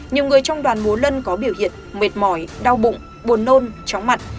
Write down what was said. nhiều người trong đoàn múa lân có biểu hiện mệt mỏi đau bụng buồn nôn chóng mặt